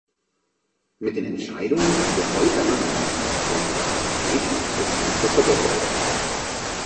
Mit den Entscheidungen, die wir heute annehmen, wollen wir die Qualität des Dienstes verbessern.